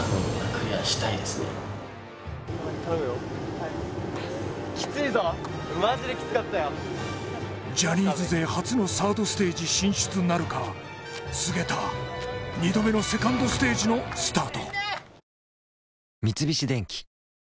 はいジャニーズ勢初のサードステージ進出なるか菅田２度目のセカンドステージのスタート